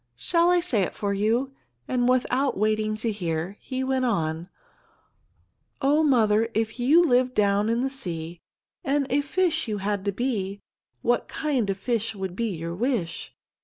"Shall I say it for you?" and without waiting to hear, he went on: "Oh, mother, if you lived down in the sea And a fish you had to be, What kind of fish would be your wish?